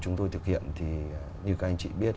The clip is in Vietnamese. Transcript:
chúng tôi thực hiện thì như các anh chị biết